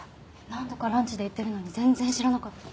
何度かランチで行ってるのに全然知らなかった。